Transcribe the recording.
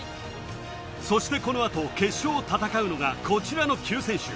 そしてこのあと、決勝を戦うのがこちらの９選手。